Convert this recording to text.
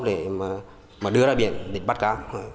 để mà đưa ra biển để bắt cá